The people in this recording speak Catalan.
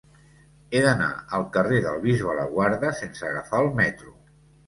He d'anar al carrer del Bisbe Laguarda sense agafar el metro.